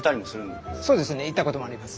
そうですね行ったこともあります。